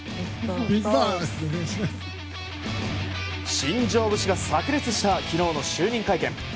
新庄節がさく裂した昨日の就任会見。